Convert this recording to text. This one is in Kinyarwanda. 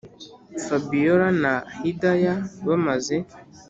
fabiora na hidaya bamaze